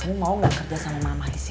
ini mau gak kerja sama mama isi